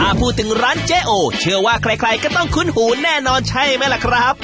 ถ้าพูดถึงร้านเจ๊โอเชื่อว่าใครก็ต้องคุ้นหูแน่นอนใช่ไหมล่ะครับ